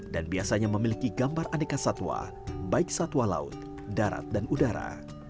dan biasanya memiliki gambar aneka satwa baik satwa laut darat dan udara